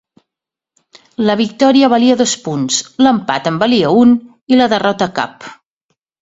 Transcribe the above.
La victòria valia dos punts, l'empat en valia un i la derrota cap.